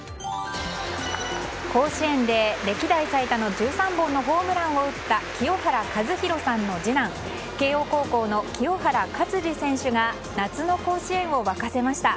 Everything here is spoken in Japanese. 甲子園で歴代最多の１３本のホームランを打った清原和博さんの次男慶應高校の清原勝児選手が夏の甲子園を沸かせました。